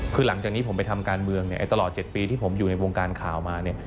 คือหลังจากนี้ผมไปทำการเมืองตลอด๗ปีที่ผมอยู่ในวงการข่าวมาเนี่ย